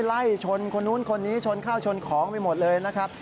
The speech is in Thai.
ไล่ชนคนนู้นคนนี้ชนข้าวชนของไปหมดเลยนะครับ